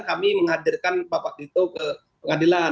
kami menghadirkan bapak tito ke pengadilan